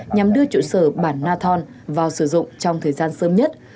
nhằm đưa trụ sở bản na thon vào sử dụng trong thời gian sớm nhất